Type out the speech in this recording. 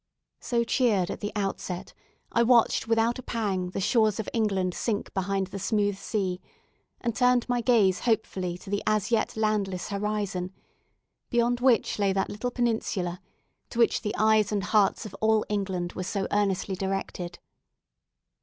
So cheered at the outset, I watched without a pang the shores of England sink behind the smooth sea, and turned my gaze hopefully to the as yet landless horizon, beyond which lay that little peninsula to which the eyes and hearts of all England were so earnestly directed.